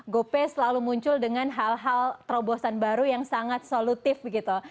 gopay selalu muncul dengan hal hal terobosan baru yang sangat solutif begitu